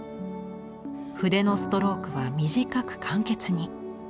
筆のストロークは短く簡潔に。